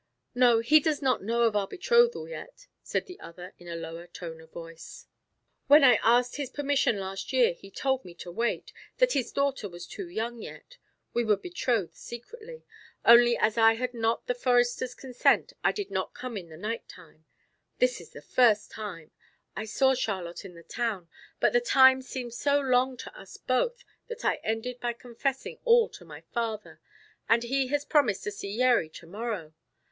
"No, he does not know of our betrothal yet," said the other, in a lower tone of voice; "when I asked his permission last year he told me to wait that his daughter was too young yet we were betrothed secretly. Only as I had not the Forester's consent, I did not come in the night time. This is the first time. I saw Charlotte in the town; but the time seemed so long to us both that I ended by confessing all to my father, and he has promised to see Yeri tomorrow.